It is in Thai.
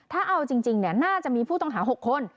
ถ้าเอาจริงน่าจะมีผู้ต้องหา๖คน